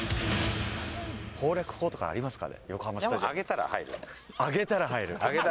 攻略法とかありますかね？